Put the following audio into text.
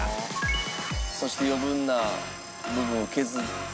そして余分な部分を削って。